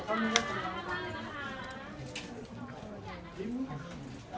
ขอบคุณนะคะ